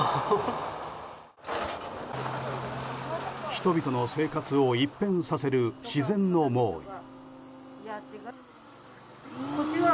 人々の生活を一変させる自然の猛威。